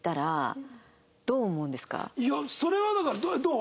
いやそれはだからどう？